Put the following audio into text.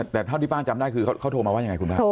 แต่เท่าที่ป้าจำได้คือเขาโทรมาว่ายังไงคุณป้า